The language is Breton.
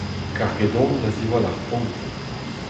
Karget on da ziwall ar pont.